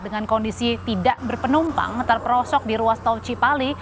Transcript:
dengan kondisi tidak berpenumpang terperosok di ruas tol cipali